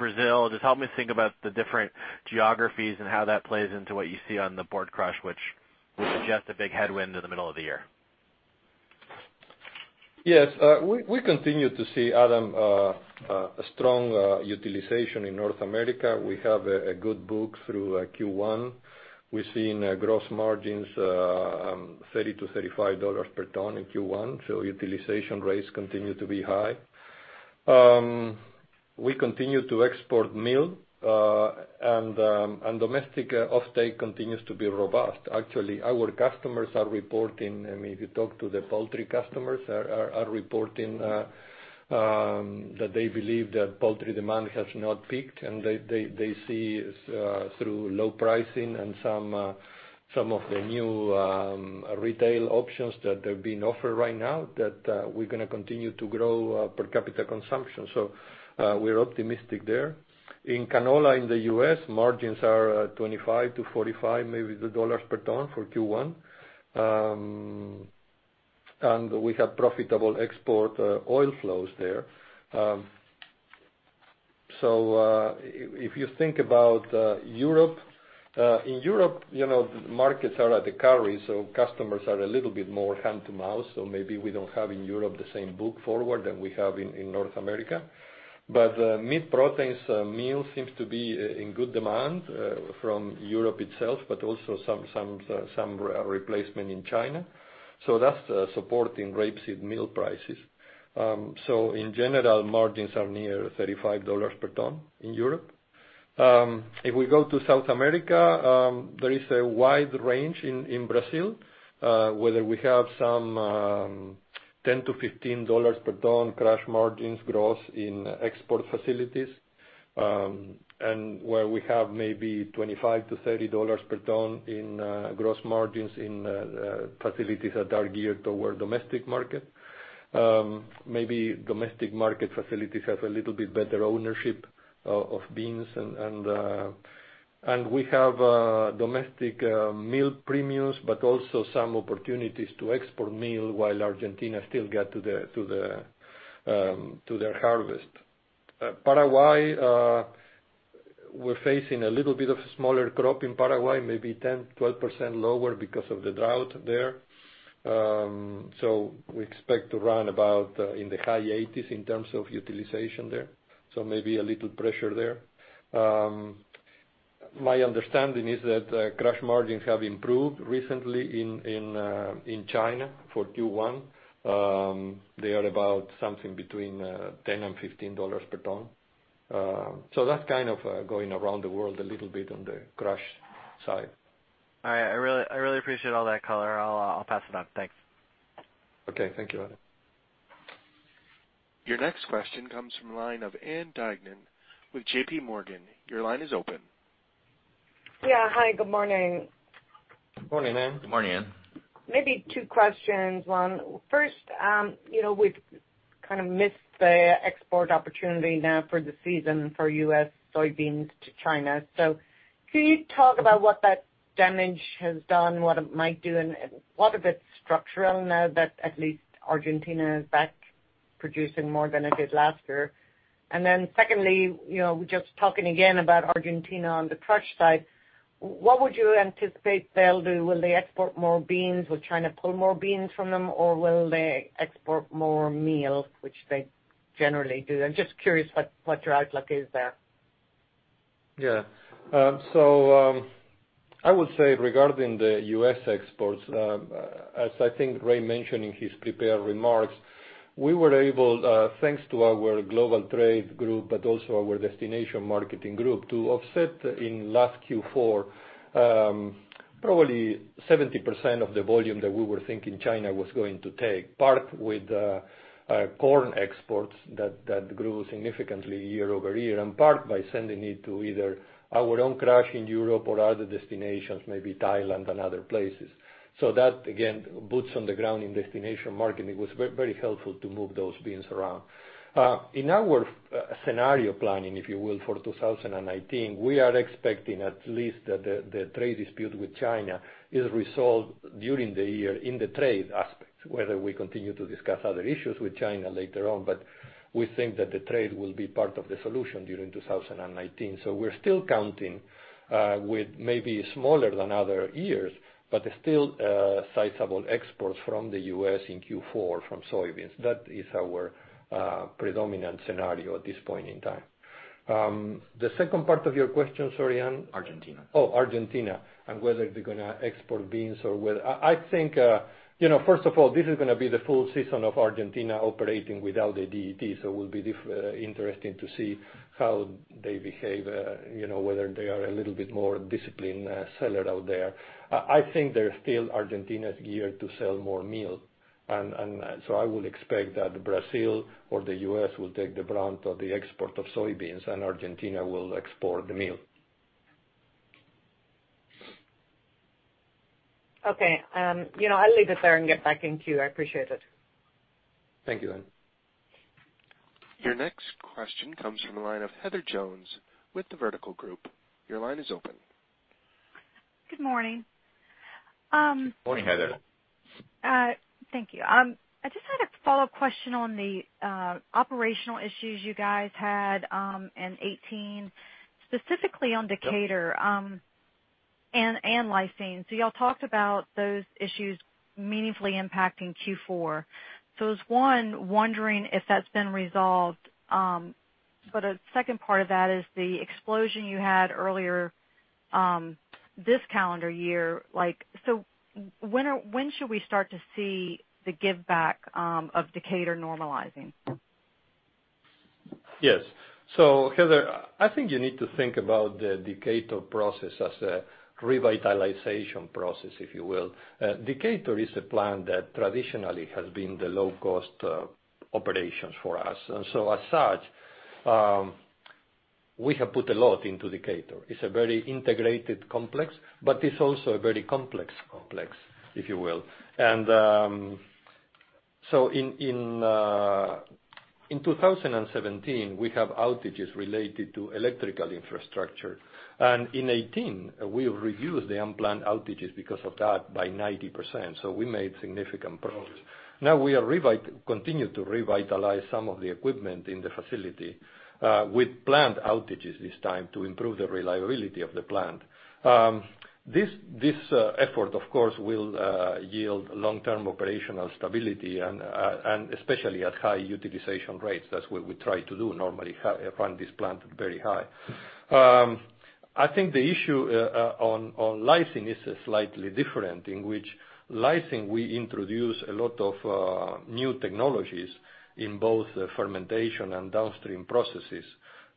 Brazil? Help me think about the different geographies and how that plays into what you see on the board crush, which was just a big headwind in the middle of the year. We continue to see, Adam, strong utilization in North America. We have a good book through Q1. We're seeing gross margins, $30 to $35 per ton in Q1, utilization rates continue to be high. We continue to export meal, domestic off-take continues to be robust. Actually, our customers are reporting, if you talk to the poultry customers, are reporting that they believe that poultry demand has not peaked, and they see through low pricing and some of the new retail options that they're being offered right now that we're going to continue to grow per capita consumption. We're optimistic there. In canola in the U.S., margins are $25 to $45, maybe, per ton for Q1. We have profitable export oil flows there. If you think about Europe, in Europe, the markets are at the carry, customers are a little bit more hand-to-mouth, maybe we don't have in Europe the same book forward that we have in North America. Meat proteins meal seems to be in good demand from Europe itself, also some replacement in China. That's supporting rapeseed meal prices. In general, margins are near $35 per ton in Europe. If we go to South America, there is a wide range in Brazil, where we have some $10-$15 per ton crush margins gross in export facilities, and where we have maybe $25-$30 per ton in gross margins in facilities that are geared toward domestic market. Maybe domestic market facilities have a little bit better ownership of beans, and we have domestic meal premiums, but also some opportunities to export meal while Argentina still get to their harvest. We're facing a little bit of a smaller crop in Paraguay, maybe 10%, 12% lower because of the drought there. We expect to run about in the high 80s in terms of utilization there. Maybe a little pressure there. My understanding is that crush margins have improved recently in China for Q1. They are about something between $10-$15 per ton. That's kind of going around the world a little bit on the crush side. All right. I really appreciate all that color. I'll pass it on. Thanks. Okay. Thank you, Adam. Your next question comes from the line of Ann Duignan with J.P. Morgan. Your line is open. Yeah. Hi, good morning. Good morning, Ann. Good morning, Ann. Maybe two questions. One, first, we've kind of missed the export opportunity now for the season for U.S. soybeans to China. Can you talk about what that damage has done, what it might do, and what of it's structural now that at least Argentina is back producing more than it did last year? Secondly, just talking again about Argentina on the crush side, what would you anticipate they'll do? Will they export more beans? Will China pull more beans from them, or will they export more meal, which they generally do? I'm just curious what your outlook is there. Yeah. I would say regarding the U.S. exports, as I think Ray mentioned in his prepared remarks, we were able, thanks to our global trade group, but also our destination marketing group, to offset in last Q4 probably 70% of the volume that we were thinking China was going to take, part with corn exports that grew significantly year-over-year, and part by sending it to either our own crush in Europe or other destinations, maybe Thailand and other places. That, again, boots on the ground in destination marketing was very helpful to move those beans around. In our scenario planning, if you will, for 2019, we are expecting at least that the trade dispute with China is resolved during the year in the trade aspect. Whether we continue to discuss other issues with China later on, we think that the trade will be part of the solution during 2019. We're still counting with maybe smaller than other years, but still sizable exports from the U.S. in Q4 from soybeans. That is our predominant scenario at this point in time. The second part of your question, sorry, Ann? Argentina. Oh, Argentina, whether they're going to export beans or whether I think, first of all, this is going to be the full season of Argentina operating without the DET, so it will be interesting to see how they behave, whether they are a little bit more disciplined seller out there. I think they're still Argentina's geared to sell more meal. I would expect that Brazil or the U.S. will take the brunt of the export of soybeans and Argentina will export the meal. Okay. I'll leave it there and get back in queue. I appreciate it. Thank you, Ann. Your next question comes from the line of Heather Jones with the Vertical Group. Your line is open. Good morning. Morning, Heather. Thank you. I just had a follow-up question on the operational issues you guys had in 2018, specifically on Decatur and lysine. You all talked about those issues meaningfully impacting Q4. It's, one, wondering if that's been resolved. A second part of that is the explosion you had earlier this calendar year. When should we start to see the give back of Decatur normalizing? Yes. Heather, I think you need to think about the Decatur process as a revitalization process, if you will. Decatur is a plant that traditionally has been the low-cost operations for us. As such, we have put a lot into Decatur. It's a very integrated complex, but it's also a very complex complex, if you will. In 2017, we have outages related to electrical infrastructure. In 2018, we reduced the unplanned outages because of that by 90%. We made significant progress. Now we continue to revitalize some of the equipment in the facility, with planned outages this time to improve the reliability of the plant. This effort, of course, will yield long-term operational stability and especially at high utilization rates. That's what we try to do normally, run this plant very high. I think the issue on lysine is slightly different, in which lysine, we introduced a lot of new technologies in both the fermentation and downstream processes,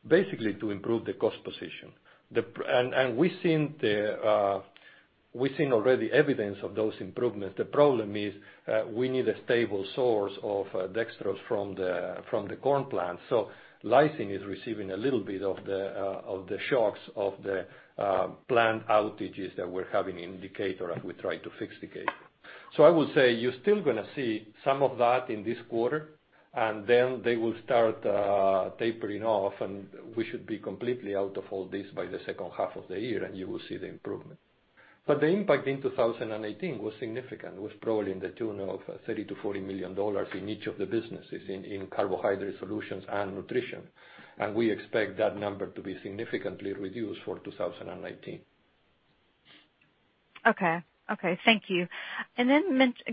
basically to improve the cost position. We've seen already evidence of those improvements. The problem is, we need a stable source of dextrose from the corn plant. Lysine is receiving a little bit of the shocks of the plant outages that we're having in Decatur as we try to fix Decatur. I would say you're still going to see some of that in this quarter, and then they will start tapering off, and we should be completely out of all this by the second half of the year, and you will see the improvement. But the impact in 2018 was significant. It was probably in the tune of $30 million-$40 million in each of the businesses in Carbohydrate Solutions and Nutrition. We expect that number to be significantly reduced for 2019. Okay. Thank you.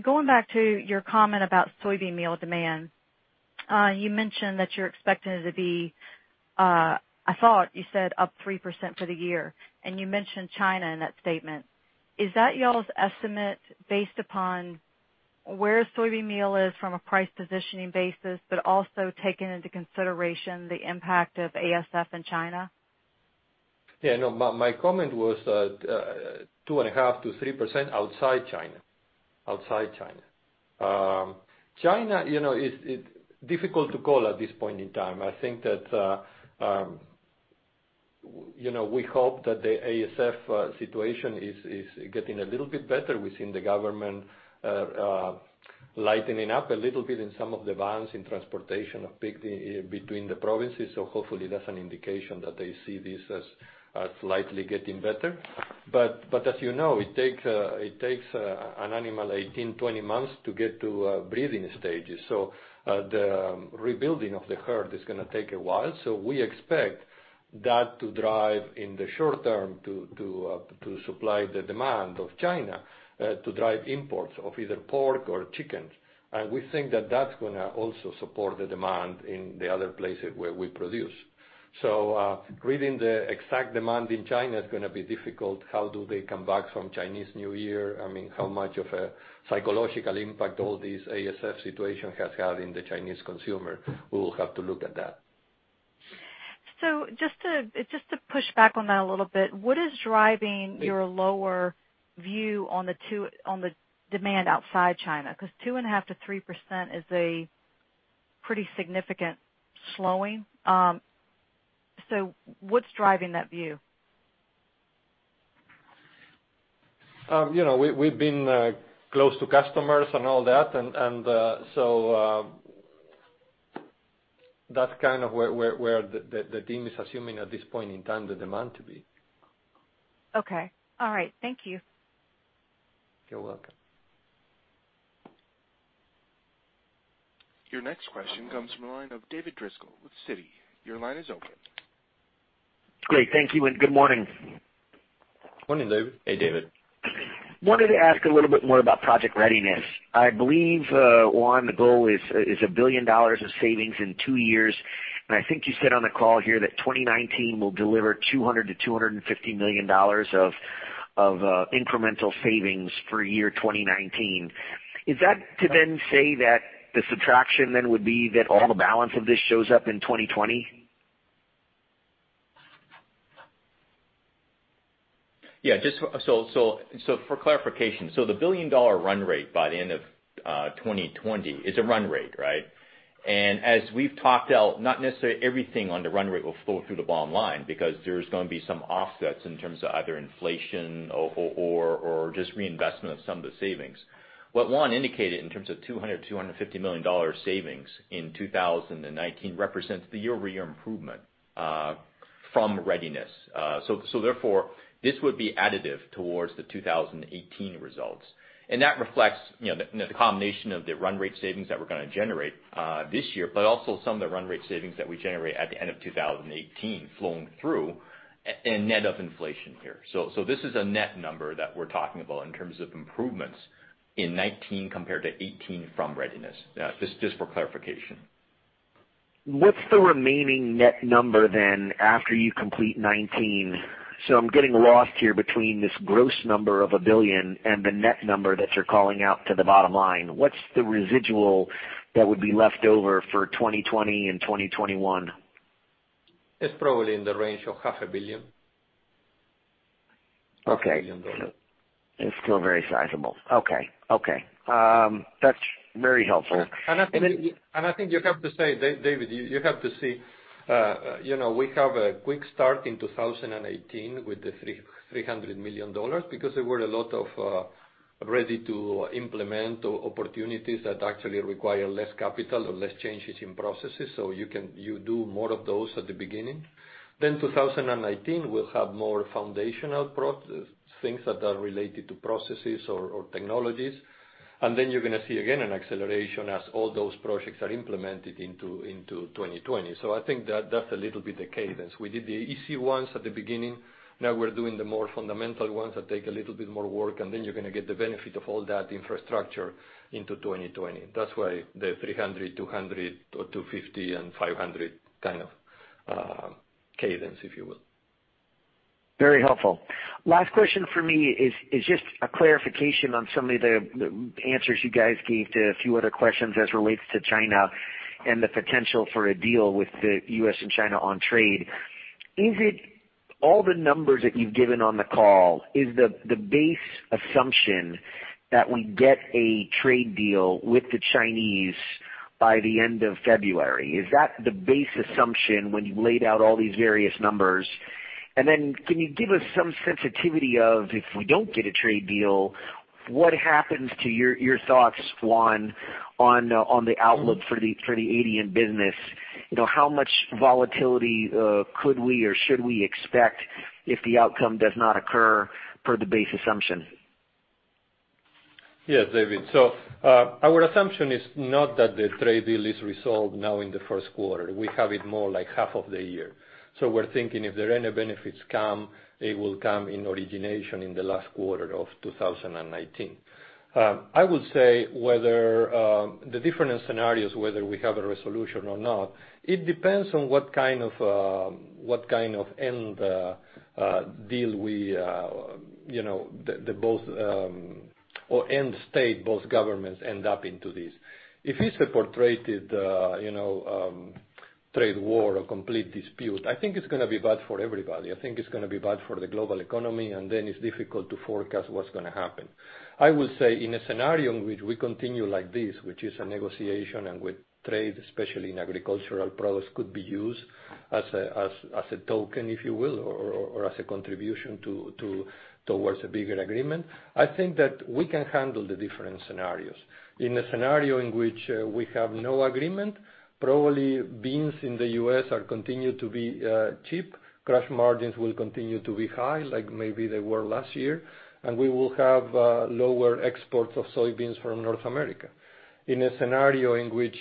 Going back to your comment about soybean meal demand. You mentioned that you're expecting it to be, I thought you said up 3% for the year, and you mentioned China in that statement. Is that y'all's estimate based upon where soybean meal is from a price positioning basis, but also taking into consideration the impact of ASF in China? Yeah, no. My comment was that 2.5%-3% outside China. China is difficult to call at this point in time. I think that we hope that the ASF situation is getting a little bit better. We're seeing the government lightening up a little bit in some of the bans in transportation of pig between the provinces, so hopefully that's an indication that they see this as slightly getting better. As you know, it takes an animal 18, 20 months to get to breeding stages. The rebuilding of the herd is going to take a while. We expect that to drive in the short term to supply the demand of China, to drive imports of either pork or chickens. We think that that's going to also support the demand in the other places where we produce. Reading the exact demand in China is going to be difficult. How do they come back from Chinese New Year? How much of a psychological impact all this ASF situation has had in the Chinese consumer? We will have to look at that. Just to push back on that a little bit, what is driving your lower view on the demand outside China? Because 2.5% to 3% is a pretty significant slowing. What's driving that view? We've been close to customers and all that's kind of where the team is assuming at this point in time the demand to be. Okay. All right. Thank you. You're welcome. Your next question comes from the line of David Driscoll with Citi. Your line is open. Great. Thank you, and good morning. Morning, David. Hey, David. Wanted to ask a little bit more about Project Readiness. I believe, Juan, the goal is $1 billion of savings in 2 years, I think you said on the call here that 2019 will deliver $200 million-$250 million of incremental savings for 2019. Is that to say that the subtraction would be that all the balance of this shows up in 2020? Yeah. For clarification, the billion-dollar run rate by the end of 2020 is a run rate, right? As we've talked out, not necessarily everything on the run rate will flow through the bottom line, because there's going to be some offsets in terms of either inflation or just reinvestment of some of the savings. What Juan indicated in terms of $200 million-$250 million savings in 2019 represents the year-over-year improvement from Readiness. Therefore, this would be additive towards the 2018 results. That reflects the combination of the run rate savings that we're going to generate this year, but also some of the run rate savings that we generate at the end of 2018 flowing through and net of inflation here. This is a net number that we're talking about in terms of improvements in 2019 compared to 2018 from Readiness. Just for clarification. What's the remaining net number then after you complete 2019? I'm getting lost here between this gross number of $1 billion and the net number that you're calling out to the bottom line. What's the residual that would be left over for 2020 and 2021? It's probably in the range of half a billion. Okay. $1 billion. It's still very sizable. Okay. That's very helpful. I think you have to say, David, you have to see we have a quick start in 2018 with the $300 million because there were a lot of ready-to-implement opportunities that actually require less capital or less changes in processes. You do more of those at the beginning. 2019, we'll have more foundational things that are related to processes or technologies. You're going to see, again, an acceleration as all those projects are implemented into 2020. I think that's a little bit the cadence. We did the easy ones at the beginning. Now we're doing the more fundamental ones that take a little bit more work, and then you're going to get the benefit of all that infrastructure into 2020. That's why the $300, $200 or $250 and $500 kind of cadence, if you will. Very helpful. Last question for me is just a clarification on some of the answers you guys gave to a few other questions as relates to China and the potential for a deal with the U.S. and China on trade. Is it all the numbers that you've given on the call, is the base assumption that we get a trade deal with the Chinese by the end of February? Is that the base assumption when you laid out all these various numbers? Can you give us some sensitivity of if we don't get a trade deal, what happens to your thoughts, Juan, on the outlook for the ADM business? How much volatility could we or should we expect if the outcome does not occur per the base assumption? Yes, David. Our assumption is not that the trade deal is resolved now in the first quarter. We have it more like half of the year. We're thinking if there any benefits come, it will come in origination in the last quarter of 2019. I would say whether the different scenarios, whether we have a resolution or not, it depends on what kind of end state both governments end up into this. If it's a portrayed trade war or complete dispute, I think it's going to be bad for everybody. I think it's going to be bad for the global economy, and then it's difficult to forecast what's going to happen. I would say in a scenario in which we continue like this, which is a negotiation and with trade, especially in agricultural products could be used as a token, if you will, or as a contribution towards a bigger agreement. I think that we can handle the different scenarios. In a scenario in which we have no agreement, probably beans in the U.S. are continued to be cheap. Crush margins will continue to be high like maybe they were last year. We will have lower exports of soybeans from North America. In a scenario in which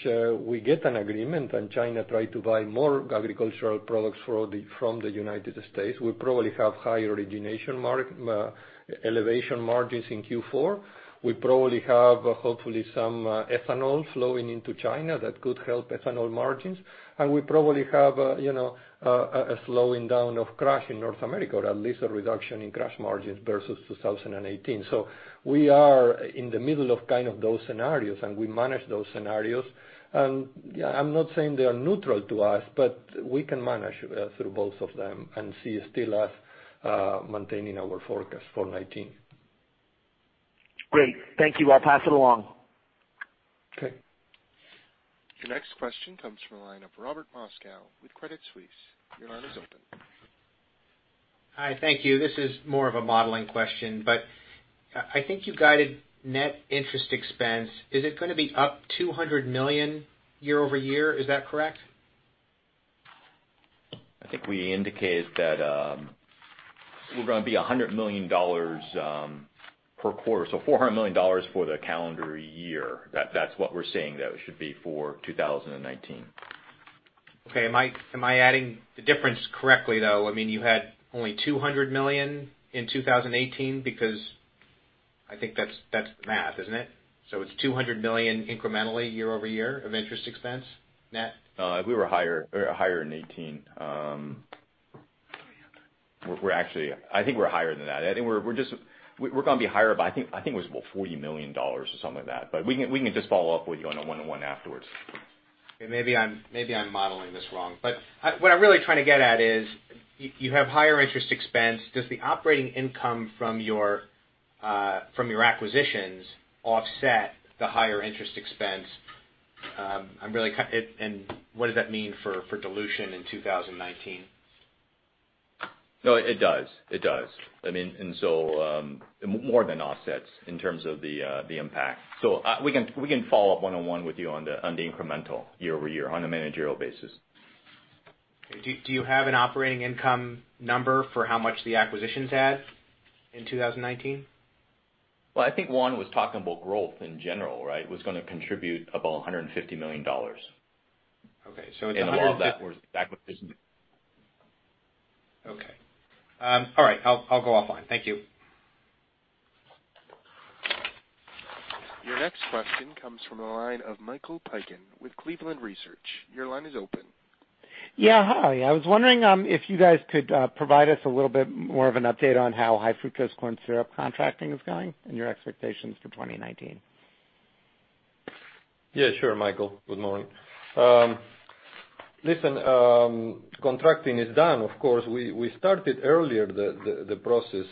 we get an agreement and China try to buy more agricultural products from the U.S., we probably have high origination elevation margins in Q4. We probably have, hopefully some ethanol flowing into China that could help ethanol margins, and we probably have a slowing down of crush in North America, or at least a reduction in crush margins versus 2018. We are in the middle of those scenarios, and we manage those scenarios. I'm not saying they are neutral to us, but we can manage through both of them and see still us maintaining our forecast for 19. Great. Thank you. I'll pass it along. Okay. Your next question comes from the line of Robert Moskow with Credit Suisse. Your line is open. Hi, thank you. This is more of a modeling question, but I think you guided net interest expense. Is it going to be up $200 million year-over-year? Is that correct? I think we indicated that we're going to be $100 million per quarter, so $400 million for the calendar year. That's what we're saying, though, it should be for 2019. Okay. Am I adding the difference correctly, though? You had only $200 million in 2018 because I think that's the math, isn't it? It's $200 million incrementally year-over-year of interest expense net? We were higher in 2018. I think we're higher than that. I think we're going to be higher by, I think it was about $40 million or something like that. We can just follow up with you on a one-on-one afterwards. Okay. Maybe I'm modeling this wrong, but what I'm really trying to get at is, you have higher interest expense. Does the operating income from your acquisitions offset the higher interest expense? What does that mean for dilution in 2019? No, it does. It more than offsets in terms of the impact. We can follow up one-on-one with you on the incremental year-over-year on a managerial basis. Do you have an operating income number for how much the acquisitions add in 2019? Well, I think Juan was talking about growth in general, right? Was going to contribute about $150 million. Okay. It's 150- All of that was acquisitions. Okay. All right. I'll go offline. Thank you. Your next question comes from the line of Michael Piken with Cleveland Research. Your line is open. Yeah, hi. I was wondering if you guys could provide us a little bit more of an update on how high fructose corn syrup contracting is going and your expectations for 2019. Yeah, sure, Michael. Good morning. Listen, contracting is done, of course. We started earlier the process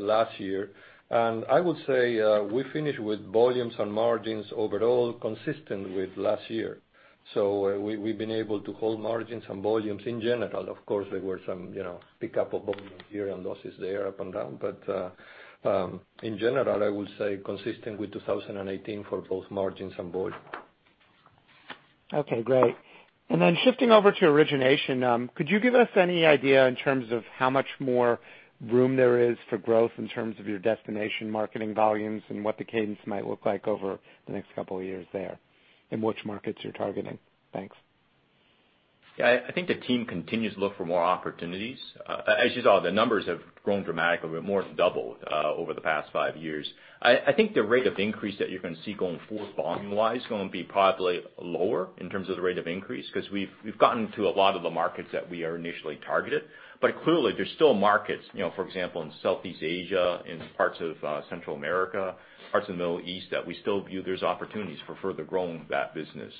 last year. I would say we finished with volumes and margins overall consistent with last year. We've been able to hold margins and volumes in general. Of course, there were some pickup of volume here and losses there up and down. In general, I would say consistent with 2018 for both margins and volume. Okay, great. Then shifting over to origination, could you give us any idea in terms of how much more room there is for growth in terms of your destination marketing volumes and what the cadence might look like over the next couple of years there, and which markets you're targeting? Thanks. Yeah. I think the team continues to look for more opportunities. As you saw, the numbers have grown dramatically, more than doubled over the past five years. I think the rate of increase that you're going to see going forward volume-wise is going to be probably lower in terms of the rate of increase, because we've gotten to a lot of the markets that we are initially targeted. Clearly, there's still markets, for example, in Southeast Asia, in parts of Central America, parts of the Middle East, that we still view there's opportunities for further growing that business.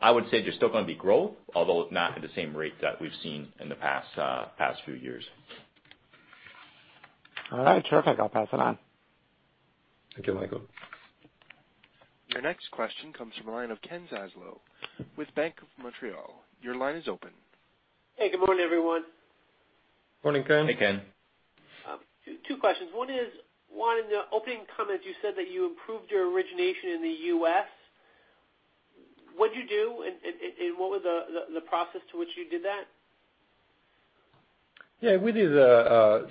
I would say there's still going to be growth, although not at the same rate that we've seen in the past few years. All right. Terrific. I'll pass it on. Thank you, Michael. Your next question comes from the line of Ken Zaslow with Bank of Montreal. Your line is open. Hey, good morning, everyone. Morning, Ken. Hey, Ken. Two questions. One is, Juan, in the opening comments, you said that you improved your origination in the U.S. What'd you do, and what was the process to which you did that? We did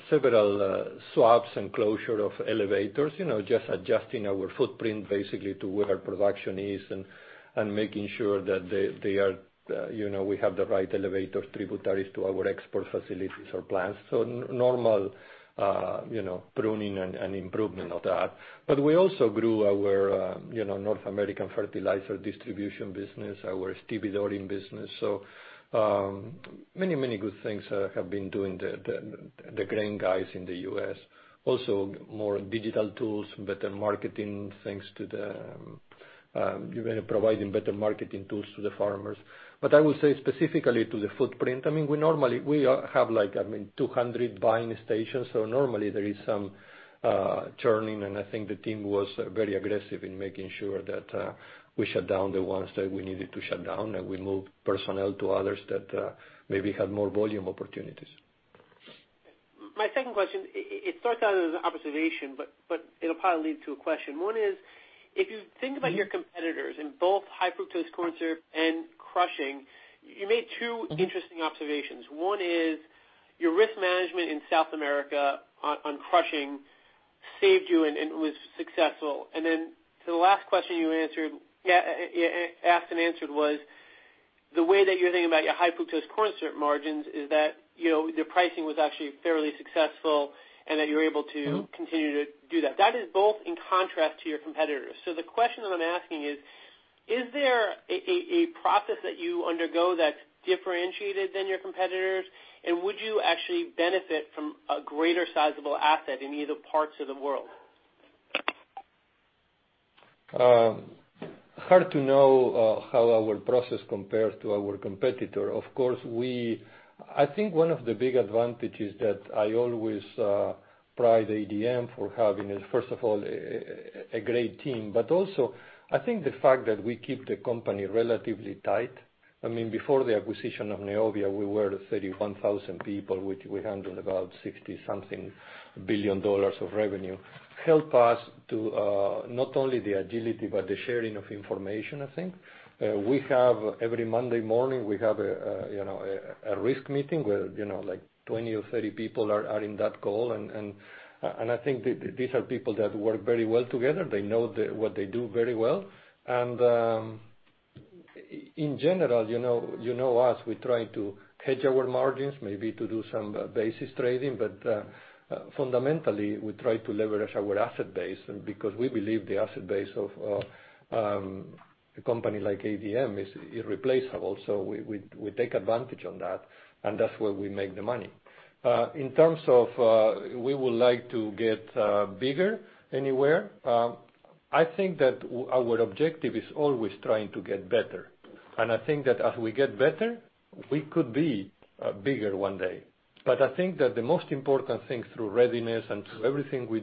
several swaps and closure of elevators. Adjusting our footprint basically to where our production is and making sure that we have the right elevator tributaries to our export facilities or plants. Normal pruning and improvement of that. We also grew our North American fertilizer distribution business, our stevedoring business. Many good things have been doing the grain guys in the U.S. Also more digital tools, better marketing. We're providing better marketing tools to the farmers. I will say specifically to the footprint, we normally have 200 buying stations, normally there is some churning, and I think the team was very aggressive in making sure that we shut down the ones that we needed to shut down, and we moved personnel to others that maybe had more volume opportunities. My second question, it starts out as an observation, it'll probably lead to a question. One is, if you think about your competitors in both high fructose corn syrup and crushing, you made two interesting observations. One is, your risk management in South America on crushing saved you and it was successful. For the last question you asked and answered was, the way that you're thinking about your high fructose corn syrup margins is that your pricing was actually fairly successful and that you're able to continue to do that. That is both in contrast to your competitors. The question that I'm asking is: Is there a process that you undergo that's differentiated than your competitors? Would you actually benefit from a greater sizable asset in either parts of the world? Hard to know how our process compares to our competitor. I think one of the big advantages that I always pride ADM for having is, first of all, a great team. Also, I think the fact that we keep the company relatively tight. Before the acquisition of Neovia, we were 31,000 people with around about $60 something billion of revenue. Help us to not only the agility, but the sharing of information, I think. Every Monday morning, we have a risk meeting where 20 or 30 people are in that call, I think these are people that work very well together. They know what they do very well. In general, you know us, we try to hedge our margins, maybe to do some basis trading. Fundamentally, we try to leverage our asset base because we believe the asset base of a company like ADM is irreplaceable. We take advantage on that's where we make the money. In terms of we would like to get bigger anywhere, I think that our objective is always trying to get better. I think that as we get better, we could be bigger one day. I think that the most important thing through readiness and through everything we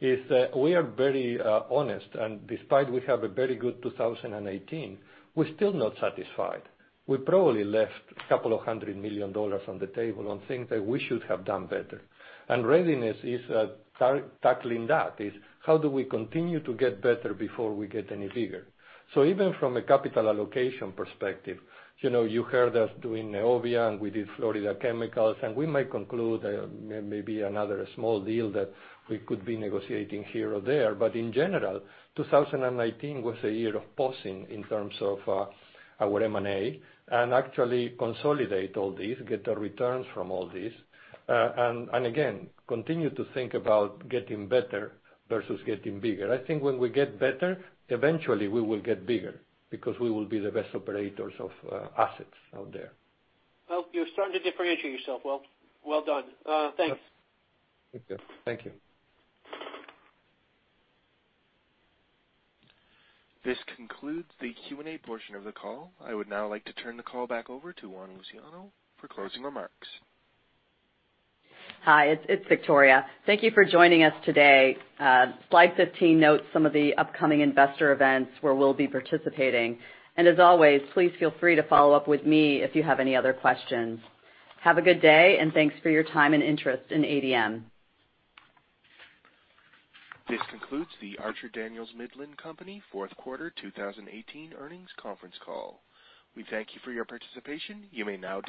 do is that we are very honest, despite we have a very good 2018, we're still not satisfied. We probably left a couple of $100 million on the table on things that we should have done better. Readiness is tackling that. Is how do we continue to get better before we get any bigger? Even from a capital allocation perspective, you heard us doing Neovia and we did Florida Chemicals, and we might conclude maybe another small deal that we could be negotiating here or there. In general, 2019 was a year of pausing in terms of our M&A and actually consolidate all these, get the returns from all these. Again, continue to think about getting better versus getting bigger. I think when we get better, eventually we will get bigger because we will be the best operators of assets out there. Well, you're starting to differentiate yourself. Well done. Thanks. Thank you. This concludes the Q&A portion of the call. I would now like to turn the call back over to Juan Luciano for closing remarks. Hi, it's Victoria. Thank you for joining us today. Slide 15 notes some of the upcoming investor events where we'll be participating. As always, please feel free to follow up with me if you have any other questions. Have a good day, thanks for your time and interest in ADM. This concludes the Archer Daniels Midland Company fourth quarter 2018 earnings conference call. We thank you for your participation. You may now disconnect.